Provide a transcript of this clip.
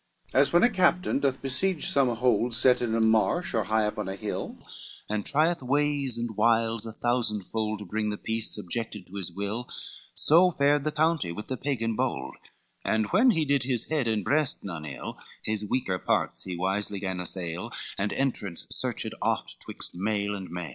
XC As when a captain doth besiege some hold, Set in a marsh or high up on a hill, And trieth ways and wiles a thousandfold, To bring the piece subjected to his will; So fared the County with the Pagan bold; And when he did his head and breast none ill, His weaker parts he wisely gan assail, And entrance searched oft 'twixt mail and mail.